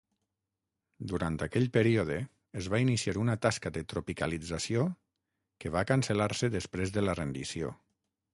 Durant aquell període, es va iniciar una tasca de tropicalització que va cancel·lar-se després de la rendició.